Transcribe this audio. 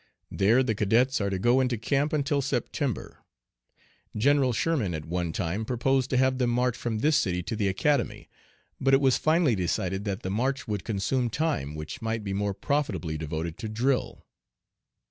There the cadets are to go into camp until September. General Sherman at one time purposed to have them march from this city to the Academy, but it was finally decided that the march would consume time which might be more profitably devoted to drill.